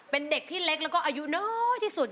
เป็นเด็กที่เล็กแล้วก็อายุน้อยที่สุด